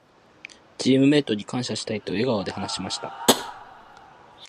「チームメイトに感謝したい」と笑顔で話しました。